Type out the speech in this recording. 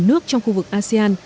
nước trong khu vực asean